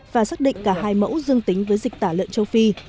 và xác định cả hai mẫu dương tính với dịch tả lợn châu phi